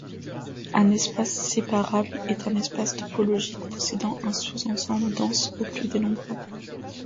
Un espace séparable est un espace topologique possédant un sous-ensemble dense au plus dénombrable.